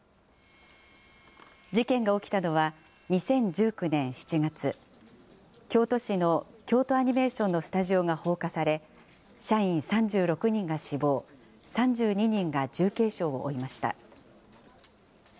事件が起きたのは、２０１９年７月、京都市の京都アニメーションのスタジオが放火され、社員３６人が死亡、３２人が重軽傷を負いました。